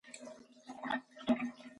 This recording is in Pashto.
د ماشوم د ګاز لپاره باید څه وکړم؟